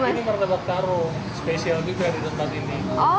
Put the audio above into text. ini martabak taro spesial juga di tempat ini